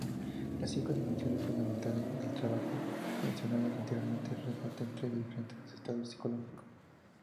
Las cinco dimensiones fundamentales del trabajo mencionadas anteriormente, resulta en tres diferentes estados psicológicos.